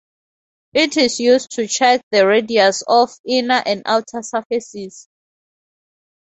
It is used to check the radius of inner and outer surfaces.